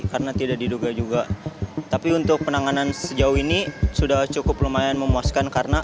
karena tidak diduga juga tapi untuk penanganan sejauh ini sudah cukup lumayan memuaskan karena